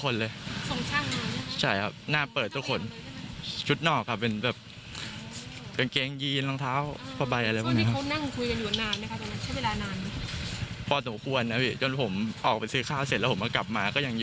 ก่อนเกิดเหตุใช่ไหม